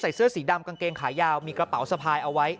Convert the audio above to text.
เสื้อสีดำกางเกงขายาวมีกระเป๋าสะพายเอาไว้